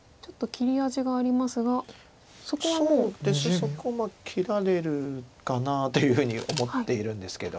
そこ切られるかなというふうに思っているんですけど。